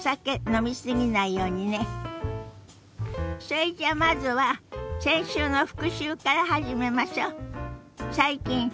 それじゃあまずは先週の復習から始めましょ。